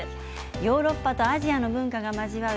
ヨーロッパとアジアの文化が交じり合う